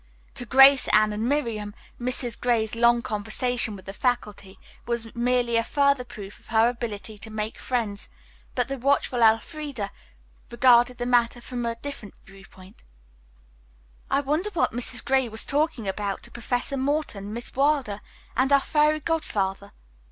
To Grace, Anne and Miriam Mrs. Gray's long conversation with the faculty was merely a further proof of her ability to make friends, but the watchful Elfreda regarded the matter from a different viewpoint. "I wonder what Mrs. Gray was talking about to Professor Morton, Miss Wilder and our fairy godfather?"